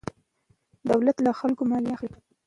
دولت له خلکو مالیه اخلي.